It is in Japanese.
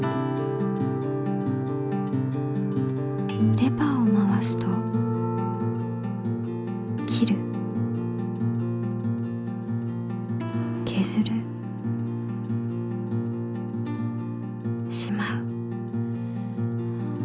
レバーを回すと切るけずるしまう。